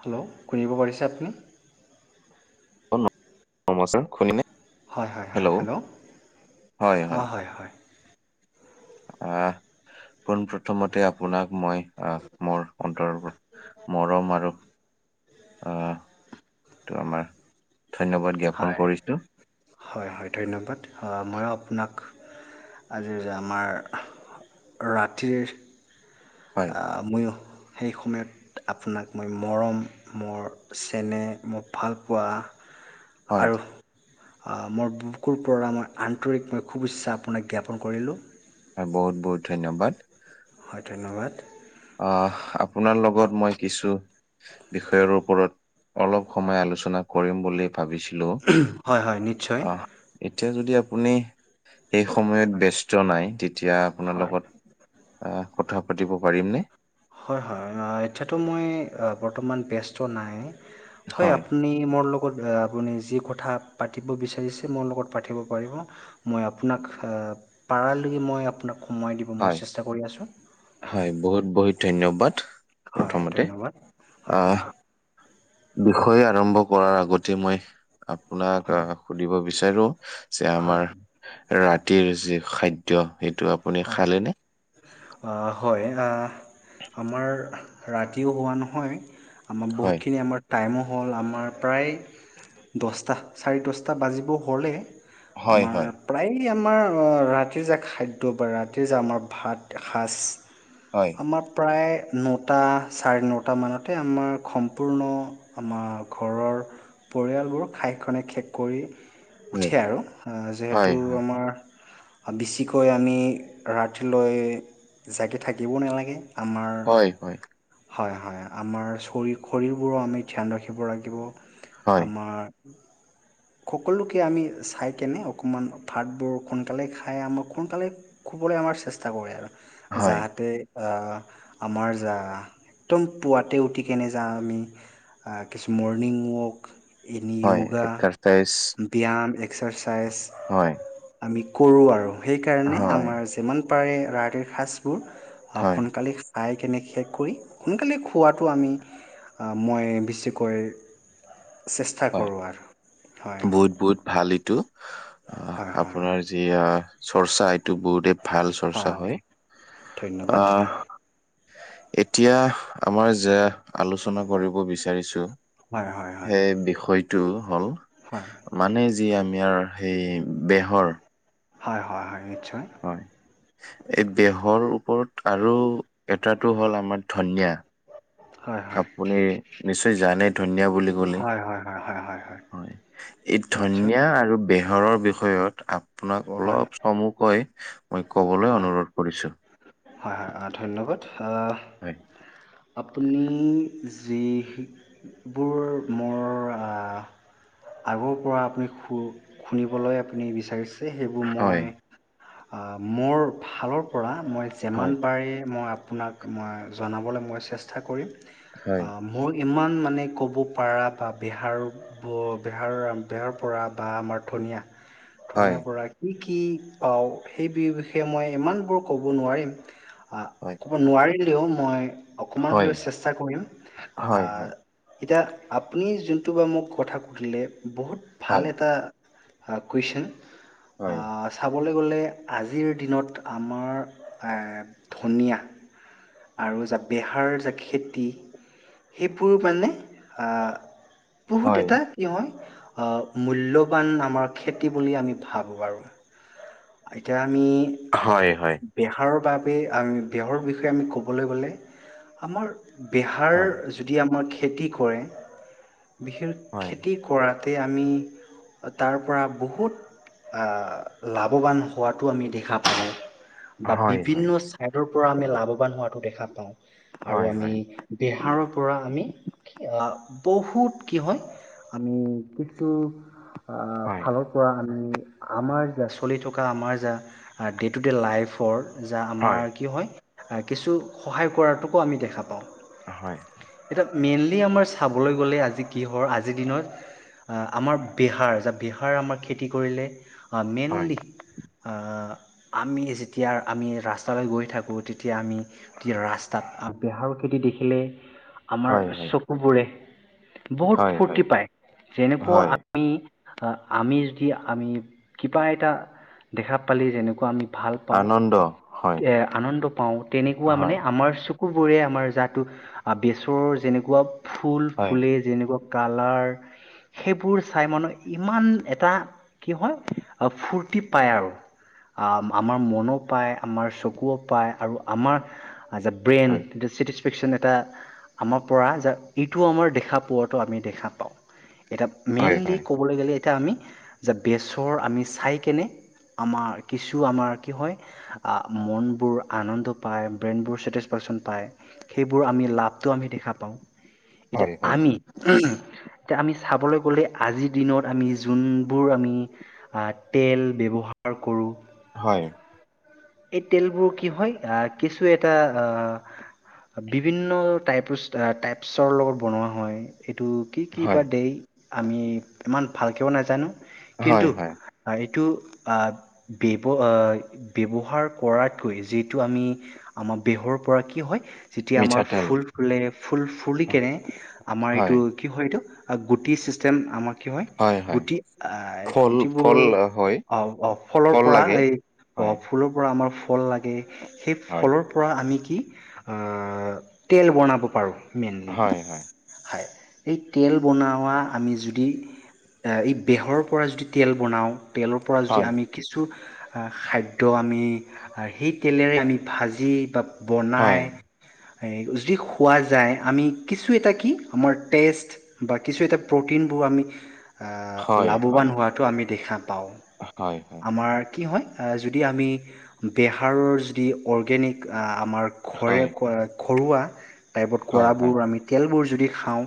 Hello শুনিব পাৰিছে আপুনি? অ' [unintelligible] হয়, হয়, হয়, হেল্ল' অ', হয়, হয়। আ, পোন প্ৰথমতে আপোনাক মই আহ মোৰ অন্তৰৰ পৰা মৰম আৰু আ, টো আমাৰ ধন্যবাদ জ্ঞাপন হয়, কৰিছো হয়, হয়। ধন্যবাদ ময়ো আপোনাক আজি যে আমাৰ ৰাতিৰ হয় ময়ো সেই সময়ত আপোনাক মই মৰম মোৰ চেনেহ মোৰ ভালপোৱা হয় আৰু আ, মোৰ বুকুৰ পৰা মই আন্তৰিক মই শুভেচ্ছা আপোনাক জ্ঞাপন কৰিলোঁ। হয়, বহুত বহুত ধন্যবাদ। হয়, ধন্যবাদ। অ', আপোনাৰ লগত মই কিছু বিষয়ৰ ওপৰত অলপ সময় আলোচনা কৰিম বুলি ভাবিছিলোঁ হয় হয় নিশ্চয় আ, এতিয়া যদি আপুনি এই সময়ত হয় ব্যস্ত নাই তেতিয়া আপোনাৰ হয় লগত কথা পাতিব পাৰিমনে? হয়, হয়, এতিয়াতো মই বৰ্তমান ব্যস্ত নাই। হয়, আপুনি মোৰ লগত লগত আপুনি যি কথা পাতিব বিচাৰিছে মোৰ লগত পাতিব পাৰিব মই আপোনাক আ, পাৰালৈকে মই আপোনাক সময় দিব মই হয় চেষ্টা কৰি আছোঁ হয়। বহুত, বহুত ধন্যবাদ হয় প্ৰথমতে ধন্যবাদ। আ হয়, হয়, বিষয়ে আৰম্ভ কৰাৰ আগতে মই আপোনাক আ হয়, সুধিব বিচাৰো যে হয়, আমাৰ হয়। ৰাতিৰ যি খাদ্য সেইটো আপুনি হয়। খালেনে? অঁ' হয় আঁহ আমাৰ ৰাতিও হোৱা নহয়- আমাৰ হয়, বহুতখিনি আমাৰ- টাইমো হ'ল আমাৰ প্ৰায় দছটা চাৰি দছটা বাজিব হ'লে- হয়, আমাৰ হয়, প্ৰায় আমাৰ ৰাতিৰ যে খাইদ- টোবাৰ ৰাতি যে আমাৰ ভাত এশাজ- হয়। আমাৰ প্ৰায় নটা চাৰে নটা মানতে আমাৰ সম্পূৰ্ণ- আমাৰ ঘৰৰ পৰিয়ালবোৰক খাইখনে শেষ কৰি- হয়, উঠে আৰু, অঁ হয়, যিহেতু হয়, আমাৰ বেছিকৈ আ- আমি ৰাতিলৈ জাগি থাকিবও নেলাগে, আমাৰ- হয় হয়। হয় হয়, আমাৰ শ শৰীৰবোৰো আমি ধ্যান ৰাখিব লাগিব হয়, আমাৰ- সকলোকে আমি চাই কেনে অকমান ভাতবোৰ সোনকালে খাই আমাক সোনকালে- শুবলে আমাৰ চেষ্টা কৰে আৰু হয়, যাহাতে- আ আমাৰ যা একদম পুৱাতে উঠিকনে যা আমি- আ কিছু মৰ্নিং ৱক- এনে হয়, য়োগা এক্টাৰ প্ৰাইজ- ব্যায়াম এক্সাৰচাইজ- হয়। আমি কৰোঁ আৰু সেইকাৰণে হয়, আমাৰ যিমান পাৰে ৰাতিৰ সাঁচবোৰ- হয়, অসোনোনকালেই- খাই কেনে শেষ কৰি সোনকালে খোৱাটো আমি আ মই বেছিকৈ- চেষ্টা হয়, কৰোঁ আৰু। হয় হয় বহুত বহুত ভাল এইটো, অঁ হয় হয় আপোনাৰ- যি আ চৰ্চা এইটো বহুতেই ভাল চৰ্চা হয়। ধন্যবাদ আহ- এতিয়া আমাৰ যে আলোচনা কৰিব বিচাৰিছো- হয় হয় সেই বিষয়টো হ'ল, - হয়। মানে যি আমাৰ সেই বেহৰ- হয় হয় হয়, নিশ্চয়। হয়, এই বেহৰ ওপৰত আৰু এটাটো হ'ল আমাৰ ধনিয়া। হয় হয় আপুনি নিশ্চয় জানে ধুনীয়া বুলি- কলে হয় হয় হয় হয় হয়, এ নিশ্চয় ধন্যা আৰু বেহ- হৰৰ বিষয়ত আপোনাক হয় অলপ চমুকৈ মই ক'বলৈ হয় অনুৰোধ কৰিছোঁ। হয় হয়, ধন্যবাদ। অ'- হয়, আপুনি যিবোৰ মোৰ আ- আগৰ পৰা আপুনি শূ শুনিবলৈ আপুনি বিচাৰিছ- ছে সেইবোৰ হয়, মই আহ মোৰ ফালৰ পৰা মই- হয়, যিমান পাৰি মই আপোনাক মই জনাবলৈ মই চেষ্টা কৰিম। হয়, অঁ- মোৰ ইমান মানে ক'ব পাৰা বা বেহাৰ- ব বেহাৰ বেহাৰ পৰা বা আমাৰ ধনিয়া। হয়, ধনীয়াৰ পৰা কি কি পাওঁ? সেই বিষয়ে মই ইমানবোৰ ক'ব নোৱাৰিম- হয়, আহ ক'ব নোৱাৰিলেও মই অকমান হয়, হ'লেও চেষ্টা কৰিম। হয়, আহ- এতিয়া আপুনি যোনটো বা মোক কথা সুধিলে বহুত হয়, ভাল এটা- অ' কুৱেশন হয়, হয়, অ'- চাবলৈ গ'লে আজিৰ দিনত আমাৰ ধনিয়া আৰু যে বেহাৰ যে খেতি সেইবোৰ মানে বহুত হয়, এটা কি হয় মূল্যৱান আমাৰ খেতি বুলি আমি ভাবোঁ আৰু। এতিয়া আমি হয়, হয়। বেহাৰৰ বাবে আমি বেহাৰৰ বিষয়ে আমি ক'বলৈ গ'লে, আমাৰ বেহাৰ হয়, যদি আমাৰ খেতি কৰে, বিশেষ খেতি কৰাতে আমি তাৰ পৰা বহুত লাভ লাভৱান হোৱাটো আমি দেখা পাওঁ। বা হয়, হয়, হয়, বিভিন্ন সেইটোৰ পৰা আমি লাভৱান হোৱাটো দেখা পাওঁ। আৰু হয়, হয়, আমি বেহাৰৰ পৰা আমি বহুত কি হয় আমি কিছু আহ ফালৰ পৰা আমি আমাৰ জা চলি থকা আমাৰ যা ডে' টু ডে লাইফৰ যা হয়, আমাৰ কি হয়। কিছু সহায় কৰাটোকো আমি দেখা পাওঁ। হয়। এতিয়া মেইনলি আমাৰ চাবলৈ গ'লে আজি কিহৰ আজিৰ দিনত আমাৰ বেহাৰ, যা বেহাৰ আমাৰ খেতি কৰিলে আ হয়। মেইনলি অ' আমি যেতিয়া আমি ৰাস্তালৈ গৈ থাকোঁ তেতিয়া আমি তেতিয়া ৰাস্তাত বেহাৰৰ খেতি দেখিলে আমাৰ হয় হয় চকুবোৰে বহুত হয় ফূৰ্তি হয় পায়। যেনেকুৱা হয় আমি, আমি যদি আমি কিবা এটা দেখা পালে যেনেকুৱা আমি ভাল পাওঁ আনন্দ, হয়। এ আনন্দ পাওঁ, তেনেকুৱা মানে হয় আমাৰ চ চকুবোৰে আমাৰ যাটো বেচৰ যেনেকুৱা ফুল হয় ফুলে যেনেকুৱা কালাৰ সেইবোৰ চাই মনত ইমান এটা কি হয় ফূুৰ্তি পায় আৰু। আমাৰ মনো পায়। আমাৰ চকুও পায় আৰু আমাৰ যা ব্ৰেইন হয় চেতি ফেক্সন এটা আমাৰ পৰা য ইটো আমাৰ দেখা পোৱাটো আমি দেখা পাওঁ। এটা হয় মেইনলি হয় ক'বলৈ গ'লে এতিয়া আমি যে বেচৰ আমি চাই কেনে আমাৰ কিছু আমাৰ কি হয় মনবোৰ আনন্দ পায়, ব্ৰেইনবোৰ ছেটিছফেক্সচন পায়। সেইবোৰ আমি লাভটো আমি দেখা পাওঁ। এতিয়া হয় হয় আমি এতিয়া আমি চাবলৈ গ'লে আজিৰ দিনত আমি যোনবোৰ আমি তেল ব্যৱহাৰ কৰোঁ। হয়। এই তেলবোৰ কি হয়, আহ কিছু এটা আহ বিভিন্ন টাইপ টাইপছৰ লগত বনোৱা হয়। এইটো কি, কি বা হয় দেই আমি ইমান ভালকৈও নাজানো। হয় কিন্তু হয় এইটো অ' ব্যৱ ৱ্যৱ হাৰ কৰাতকৈ যিহেতটো আমি আমাৰ বেহৰ পৰা কি হয় যেতিয়া আমাৰ মিঠাতেল ফুল ফুলে, ফুল ফুলি কিনে আমাৰ হয় এইটো কি হয় এইটো গুগি চিষ্টেম আমাক কি হয় গুটি আহ ফল গুটিবোৰ ফল হয় অ ফলৰ ফল পৰা লাগে এই অ হয়। ফুলৰ পৰা আমাৰ ফল লাগে। সেই হয় ফলৰ পৰা আমি কি তেল বনাব পাৰো মেইনলি। হয় হয় খায় এই তেল বনোৱা আমি যদি এই বেহৰৰপৰা যদি তেল বনাওঁ তেলৰ পৰা যদি হয় আমি কিছু খাদ্য ত' আমি সেই তেলেৰে আমি ভাজি বা বনাই হয় যদি খোৱা যায় আমি কিছু এটা কি আমাৰ টেষ্ট বা কিছু এটা প্ৰটিনবোৰ আমি হয় হয় লাভৱান হোৱাটো আমি দেখা পাওঁ। হয় হয়। আমাৰ কি হয় যদি আমি বেহাৰৰ যদি অৰ্গেনিক আমাৰ ঘৰে, হয় ঘৰুৱা টাইপত হয় হয় কৰাবোৰ আমি তেলবোৰ যদি খাওঁ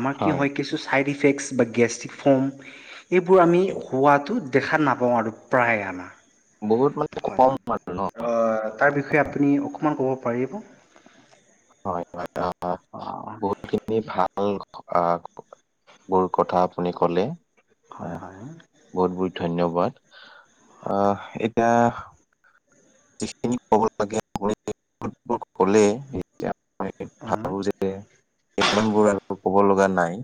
আমাৰ কি হয় কিছু ছাইড ইফেক্টছ বা গেষ্ট্ৰিক ফৰ্ম এইবোৰ আমি হোৱাটো দেখা নাপাওঁ আৰু প্ৰায়ে আমাৰ বহুত মানে হয় হয় [unintelligible] ন তাৰ বিষয়ে আপুনি অকণমান ক'ব পাৰিব। হয়, হয় অ' আহ, বহুতখিনি [unintelligible] ভাল বোৰ কথা আপুনি ক'লে। হয়, আহ হয়। বহুত বহুত ধন্যবাদ। আহ এতিয়া যিখিনি ক'ব লাগে সকলোবোৰ ক'লে এতিয়া মই ভাবো যে [unintelligible] [unintelligible] আৰু ক'ব লগা নাই।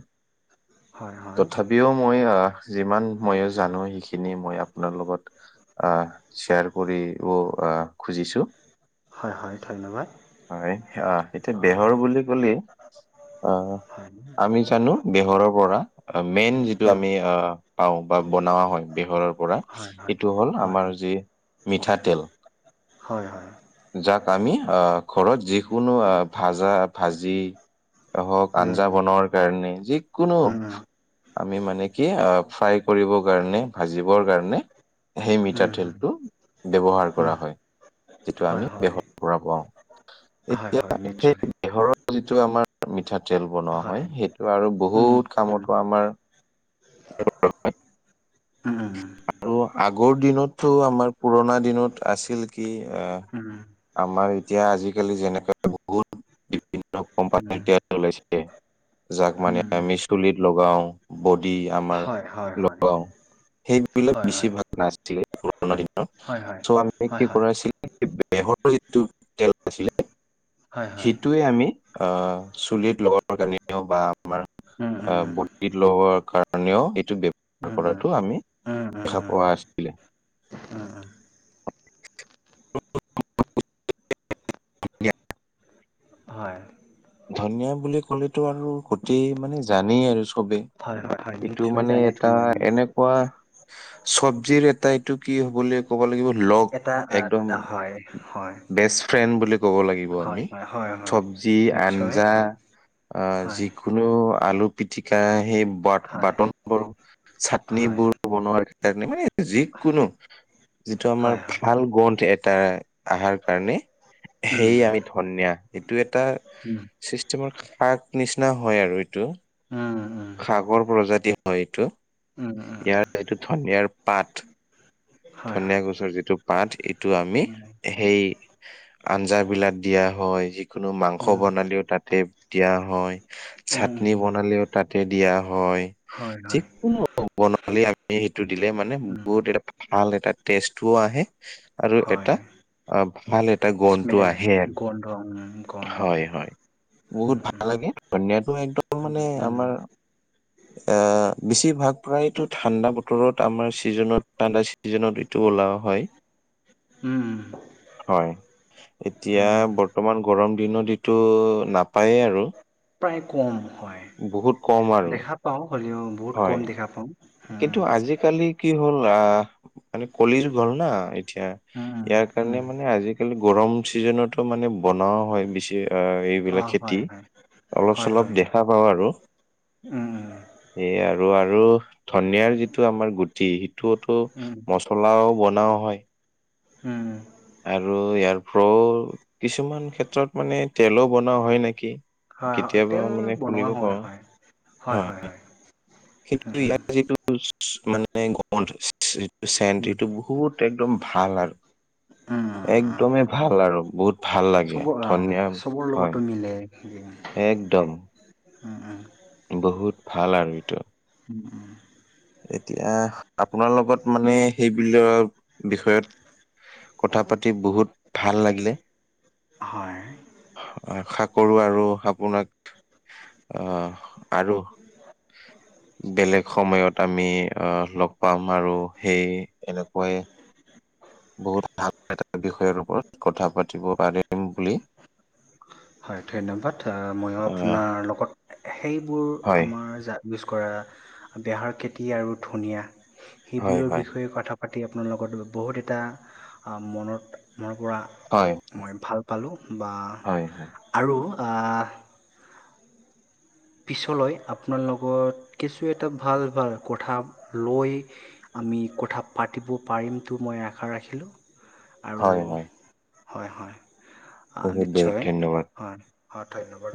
হয় হয়। পিও মই যিমান ময়ো জানো সেইখিনি মই আপোনাৰ লগত আহ, শ্বেয়াৰ কৰিও আহ, খুজিছো। হয় হয় ধন্য হয় অ' এতিয়া বেহৰ বুলি ক'লে আহ, হয় আমি জানো বেহৰৰ পৰা মেইন যিটো উম, আমি পাওঁ বা বনোৱা হয় বেহৰৰ পৰা হয় হয় সেইটো হ'ল হয় আমাৰ যি [unintelligible] মিঠাতেল। হয়, হয়। যাক আমি ঘৰত যিকোনো ভাজা, ভাজি হওক আঞ্জা উম। বনোৱাৰ কাৰণে যিকোনো উম আমি মানে কি অ' ফ্ৰাই কৰিবৰ কাৰণে ভাজিবৰ কাৰণে সেই উম উম মিঠাতেলটো ব্যৱহাৰ কৰা উম হয়। যিটো হয় আমি হয় বেহৰ পৰা পাওঁ। হয়, এতিয়া হয় সেই নিশ্চয়। বেহৰৰ যিটো আমাৰ মিঠাতেল বনোৱা হয় সেইটো আৰু উম বহুত উম কামতো আমাৰ ব্যৱহাৰ হয়। উম উম। আৰু আগৰ দিনতটো, আমাৰ পুৰণা দিনত আছিল কি আহ। উম। আমাৰ এতিয়া আজিকালি যেনেকা [unintelligible] বিভিন্ন কোম্পানীৰ উম তেল ওলাইছে যাক মানে উম আমি চুলিত লগাও, বডি আমাৰ হয় হয় হয় লগাও। বিলাক হয় বেছি হয় ভাল নাছিলে পুৰণা দিনত হয় হয় চ' আমি হয় কি হয় কৰাইছিলো বেহৰৰ যিটো তেল আছিলে হয় হয় সেইটোৱে আমি আ, চুলিত লগাবৰ কাৰণে [unintelligible] বা আমাৰ উম আ উম [unintelligible] [unintelligible] কাৰণেও এইটো ব্যৱহাৰ উম উম কৰাটো আমি দেখা পোৱা আছিলে। অ', অ', [inaudible] হয়, ধনিয়া বুলি ক'লেটো আৰু গটি মানে জানেই আৰু চবে হয় হয় হয় এইটো নিশ্চয় মানে জানে এটা ধুনীয়া মানুহ এনে কোৱা চব্জিৰ এটা এইটো কি হ'বলে ক'বা লাগিব লগ এটা একদম আহ, হয় হয় বেষ্ট ফ্ৰেণ্ড বুলি কব লাগিব হয় আমি, হয় হয় হয় চব্জি নিশ্চয় আঞ্জা হয় আ, যি হয় কোনো আলু পিতিকা সেই ব হয় বাটন বোৰ চাটনি হয় বোৰ বনোৱা তাৰ মানে যি কোনো যিটো আমাৰ হয় হয় ভাল গন্ধ এটা আহাৰ কাৰণে উম সেই আমি ধনিয়া এইটো এটা উম চিষ্টেমৰ শাক নিচিনা হয় আৰু এইটো উম উম সাগৰ প্ৰজাতি হয় এইটো উম উম ইয়াৰ উম এইটো ধনিয়াৰ পাত হয় ধনিয়া হয় গছৰ যিটো পাত এইটো আমি, উম উম এহ সেই, আঞ্জা বিলাক দিয়া হয় যিকোনো মাংস উম বনালেও তাতে দিয়া হয় চাটনি উম বনালেও তাতে দিয়া হয়। হয় হয় যিকোনো [unintelligible] বনালে আমি সেইটো দিলে মানে উম বহুত এটা ভাল এটা টেষ্টো আহে। আৰু হয়। এটা অ', ভাল এটা গন্টো স্মেল আহে আৰু গন্ধ উম গণ হয়, হয়। বহুত উম ভাল উম লাগে ধনিয়াটো একদম উম মানে উম আমাৰ। অ', বেছিভাগ প্ৰায়তো ঠাণ্ডা বতৰত আমাৰ ছিজনত ঠাণ্ডা চিজনত এইটো ওলাৱা হয়। উম, উম। হয়, এতিয়া বৰ্তমান গৰম দিনত এইটো নাপায়ে আৰু। প্ৰায় কম হয়। বহুত কম আৰু। দেখা পাওঁ হ'লেও বহুত কম দেখা পাওঁ আ, কালি কি হ'ল আ, মানে কলিযুগ হল না এতিয়া, উম ইয়াৰ কাৰণে উম মানে আজিকালি গৰম চিজনতো মানে বনোৱাও হয় বেছি আ অ এইবিলাক খেতি, হয় হয় অলপ হয় চলপ হয় দেখা পাওঁ আৰু। উম, উম, এই আৰু আৰু ধনিয়াৰ যিটো আমাৰ গুটি সিটোতো উম পলাও বনাও হয়। উম, আৰু ইয়াৰ পৰাও কিছুমান ক্ষেত্ৰত মানে তেলো বনোৱা হয় নেকি। হয় কেতিয়াবা তেল মানে বনোৱা শুনিব হয় পাওঁ হয় হয়, উম [unintelligible] উম য়াত যিটো [unintelligible] মানে [unintelligible] যিটো উম চেণ্ত এইটো বহুত একদম ভাল আৰু। উম, উম উম একদমেই ভাল আৰু বহুত ভাল লাগে চবৰ আ, ধনিয়া চবৰ হয় লগতটো মিলে। একদম। উম, উ। বহুত ভাল আৰু এইটো। উম। এতিয়া আপোনাৰ লগত মানে সেই বিলাক বিষয়ত কথা পাতি বহুত ভাল লাগিলে। হয়। আশা কৰো আৰু আপোনাক আহ আৰু বেলেগ সময়ত আমি আহ লগ পাম আৰু। সেইে এনেকুৱাই। বহুত ভাল এটা বিষয়ৰ ওপৰত কথা পাতিব পাৰিম বুলি হয়, ধন্যবাদ ময়ো আহ আপোনাৰ লগত সেইবোৰ হয়, আমাৰ জাতি ইউজ কৰা বেহৰ খেতি আৰু ধনীয়া হয়, সেইবোৰৰ হয়, বিষয়ে কথা পাতি আপোনাৰ লগত বহুত এটা মনত মনৰ পৰা হয়, মই ভাল পালোঁ বা হয়, হয়। আৰু আ পিছলৈ আপোনাৰ লগত কিছু এটা ভাল ভাল কথা লৈ আমি কথা পাতিব পাৰিমতটো মই আশা ৰাখিলোঁ। আৰু হয়, হয়, হয়, হয় বহুত বহুত নিশ্চয় ধন্যবাদ। হয়, হয় ধন্যবাদ।